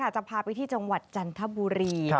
จะพาไปที่จังหวัดจันทบุรี